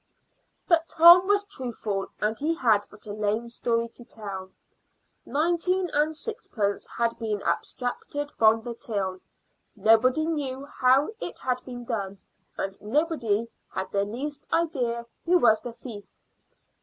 But Tom was truthful, and he had but a lame story to tell. Nineteen and sixpence had been abstracted from the till. Nobody knew how it had been done, and nobody had the least idea who was the thief.